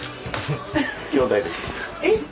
えっ？